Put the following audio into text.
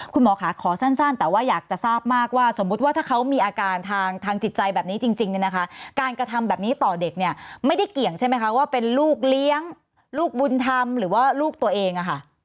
คุณหมอค่ะขอสั้นแต่ว่าอยากจะทราบมากว่าสมมุติว่าถ้าเขามีอาการทางจิตใจแบบนี้จริงเนี่ยนะคะการกระทำแบบนี้ต่อเด็กเนี่ยไม่ได้เกี่ยงใช่ไหมคะว่าเป็นลูกเลี้ยงลูกบุญธรรมหรือว่าลูกตัวเอง